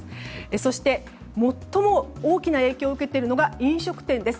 そして、最も大きな影響を受けているのが飲食店です。